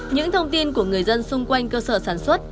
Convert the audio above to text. những thông tin của người dân xung quanh cơ sở sản xuất